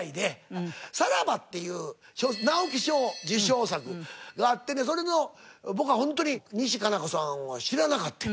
『サラバ！』っていう直木賞受賞作があってんけどそれの僕はホントに西加奈子さんを知らなかって。